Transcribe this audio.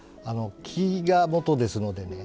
木が元ですのでね